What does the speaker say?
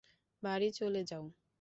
বাড়ি চলে যাও।